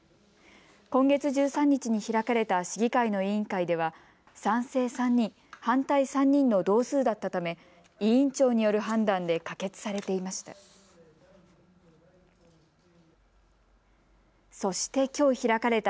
今月１３日に開かれた市議会の委員会では賛成３人、反対３人の同数だったため委員長による判断で可決されていました。